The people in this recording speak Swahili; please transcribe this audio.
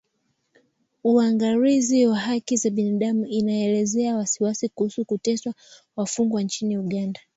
Uangalizi wa haki za binadamu inaelezea wasiwasi kuhusu kuteswa wafungwa nchini Uganda